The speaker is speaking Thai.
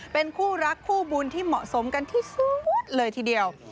เป็นคู่รักคู่บุญที่เหมาะสมกันที่สุดเลยทีเดียว